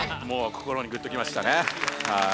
もう心にぐっときましたね。